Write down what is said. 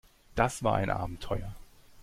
Das war ein Abenteuer.